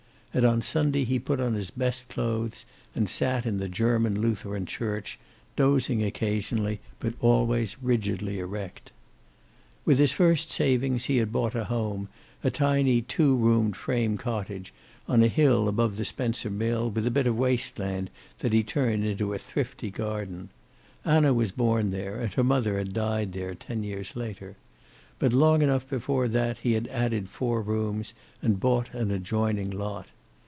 And on Sunday he put on his best clothes, and sat in the German Lutheran church, dozing occasionally, but always rigidly erect. With his first savings he had bought a home, a tiny two roomed frame cottage on a bill above the Spencer mill, with a bit of waste land that he turned into a thrifty garden. Anna was born there, and her mother had died there ten years later. But long enough before that he had added four rooms, and bought an adjoining lot.